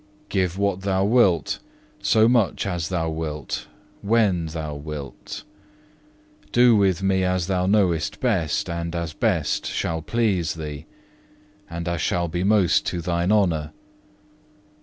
Give what Thou wilt, so much as Thou wilt, when Thou wilt. Do with me as Thou knowest best, and as best shall please Thee, and as shall be most to Thine honour.